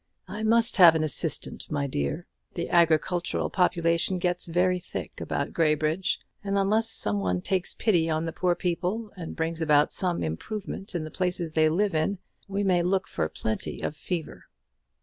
I must have an assistant, my dear. The agricultural population gets very thick about Graybridge; and unless some one takes pity on the poor people, and brings about some improvement in the places they live in, we may look for plenty of fever."